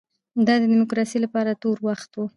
دا د ډیموکراسۍ لپاره تور وخت و.